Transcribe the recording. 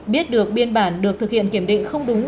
biết được biên bản được thực hiện kiểm định không đúng